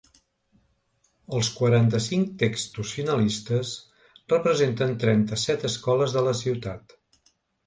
Els quaranta-cinc textos finalistes representen trenta-set escoles de la ciutat.